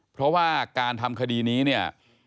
เพราะว่าการทำคดีนี้